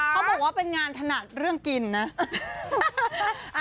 เขาบอกว่าเป็นงานถนัดเรื่องกินนะ